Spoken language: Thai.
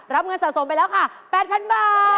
รับเงินสะสมไปแล้วค่ะ๘๐๐๐บาท